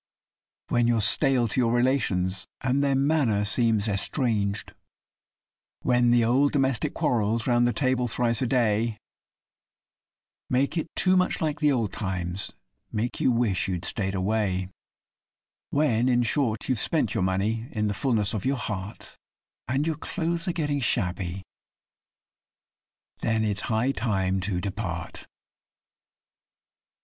When you're stale to your relations, and their manner seems estranged; When the old domestic quarrels, round the table thrice a day, Make it too much like the old times make you wish you'd stayed away, When, in short, you've spent your money in the fulness of your heart, And your clothes are getting shabby.... Then it's high time to depart.